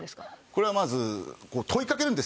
これはまず問いかけるんですよね